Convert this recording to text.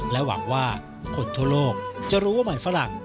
หวังว่าคนทั่วโลกจะรู้ว่ามันฝรั่ง